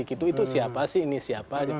itu siapa sih ini siapa